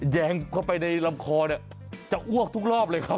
แยงเข้าไปในลำคอเนี่ยจะอ้วกทุกรอบเลยครับ